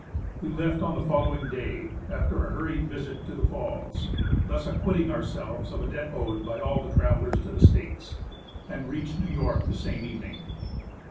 We left on the following day, after a hurried visit to the Falls (thus acquitting ourselves of a debt owed by all travellers to the States), and reached New York the same evening.